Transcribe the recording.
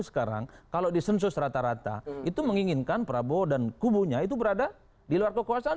sekarang kalau di sensus rata rata itu menginginkan prabowo dan kubunya itu berada di luar kekuasaan